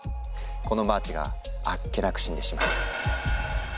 このマーチがあっけなく死んでしまう。